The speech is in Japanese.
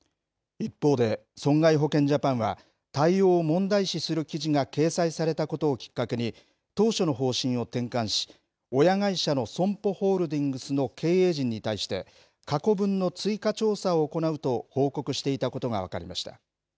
一方で損害保険ジャパンは、対応を問題視する記事が掲載されたことをきっかけに、当初の方針を転換し、親会社のＳＯＭＰＯホールディングスの経営陣に対して、過去分の追加調査を行うと報告していたことが分かりました。